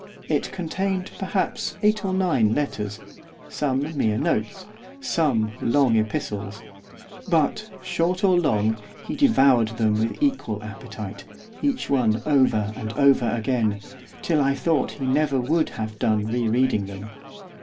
It contained, perhaps, eight or nine letters, some mere notes, some long epistles. But, short or long, he devoured them with equal appetite, each one over and over again, till I thought he never would have done re reading them.